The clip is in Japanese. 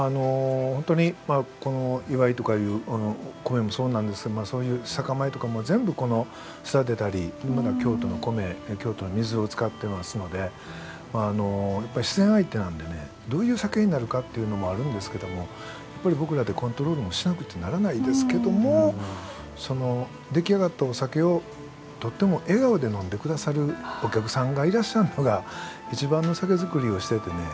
本当にこの「祝」とかいう米もそうなんですがそういう酒米とかも全部育てたりまた京都の米京都の水を使ってますので自然相手なんでねどういう酒になるかっていうのもあるんですけどもやっぱり僕らでコントロールもしなくちゃならないですけども出来上がったお酒をとっても笑顔で飲んで下さるお客さんがいらっしゃるのが一番の酒造りをしててね